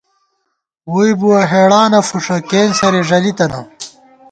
ووئی بُوَہ ہېڑانہ فُݭہ، کېنسَرے ݫَلِی تَنہ